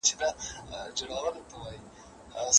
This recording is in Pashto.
ظالم وګړي دي له شمعي پتنګان پټوي